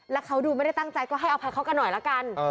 แล้วเขาดูไม่ได้ตั้งใจก็ให้อภัยเขากันหน่อยละกัน